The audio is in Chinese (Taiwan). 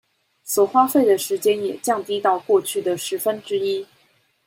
所花費的時間也降低到過去的十分之一